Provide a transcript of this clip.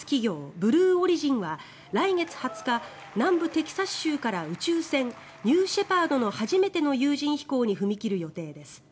ブルーオリジンは来月２０日南部テキサス州から宇宙船ニューシェパードの初めての有人飛行に踏み切る予定です。